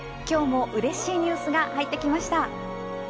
今日もうれしいニュースが入ってきました。